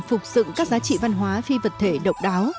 phục dựng các giá trị văn hóa phi vật thể độc đáo